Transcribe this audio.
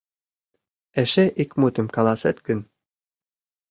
— Эше ик мутым каласет гын...